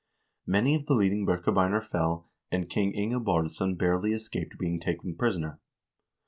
Many of the leading Birkebeiner fell, and King Inge Baardsson barely escaped being taken prisoner.